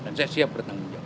dan saya siap bertanggung jawab